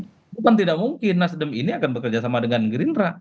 bukan tidak mungkin nasdem ini akan bekerja sama dengan gerindra